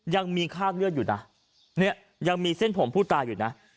ยังมีคราบเลือดอยู่นะเนี่ยยังมีเส้นผมผู้ตายอยู่นะ